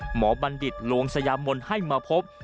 บัณฑิตลวงสยามนให้มาพบ